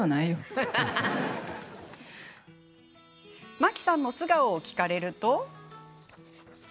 真木さんの素顔を聞かれると。